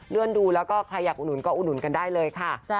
เลื่อนดูแล้วก็ใครอยากอุดหนุนก็อุดหนุนกันได้เลยค่ะ